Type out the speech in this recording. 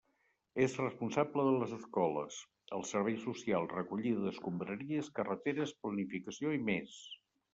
És responsable de les escoles, els serveis socials, recollida d'escombraries, carreteres, planificació i més.